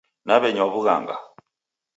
Naw'enywa w'ughanga.